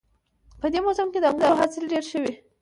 په دې موسم کې د انګورو حاصل ډېر ښه وي